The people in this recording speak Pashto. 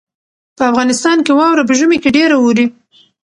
په افغانستان کې واوره په ژمي کې ډېره اوري.